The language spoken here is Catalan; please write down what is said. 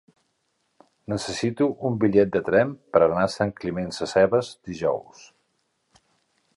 Necessito un bitllet de tren per anar a Sant Climent Sescebes dijous.